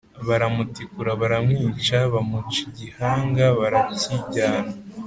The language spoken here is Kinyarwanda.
baramutikura baramwica, bamuca igihanga barakijyana